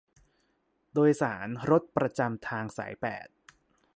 โดยสารรถประจำทางสายแปด